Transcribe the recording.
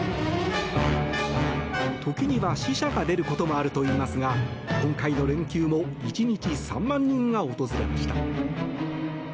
時には死者が出ることもあるといいますが今回の連休も１日３万人が訪れました。